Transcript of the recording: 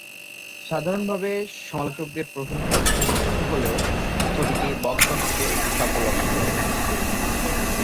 সাধারণভাবে সমালোচকদের প্রশংসা অর্জনে ব্যর্থ হলেও ছবিটি বক্স অফিসে সাফল্য অর্জন করে।